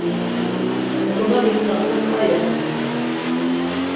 Oǩonaviktatna ǩai iqvasinon.